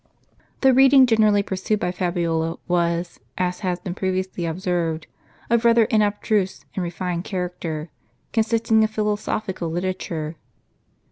The reading generally pursued by Fabiola was, as has been previously observed, of rather an abstruse and refined character, consisting of philosophical literature.